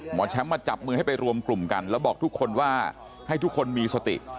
หมอแชมป์มาจับมือให้ไปรวมกลุ่มกันแล้วบอกทุกคนว่าให้ทุกคนมีสติ